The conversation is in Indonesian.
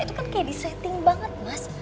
itu kan kayak di setting banget mas